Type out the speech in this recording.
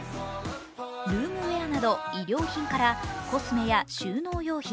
ルームウェアなど衣料品からコスメや収納用品